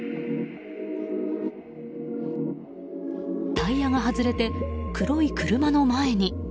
タイヤが外れて、黒い車の前に。